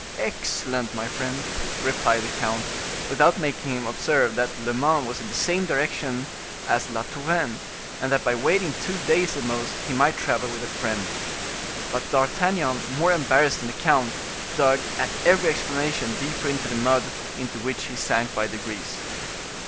"Excellent, my friend," replied the count, without making him observe that Le Mans was in the same directions as La Touraine, and that by waiting two days, at most, he might travel with a friend. But D'Artagnan, more embarrassed than the count, dug, at every explanation, deeper into the mud, into which he sank by degrees.